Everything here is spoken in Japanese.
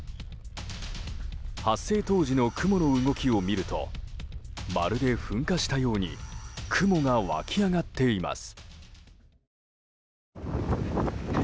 発生当時の雲の動きを見るとまるで噴火したように雲が湧き上がっています。